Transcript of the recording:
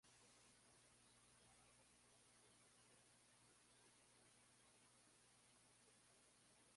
Beber muito e ir certo não pode ser.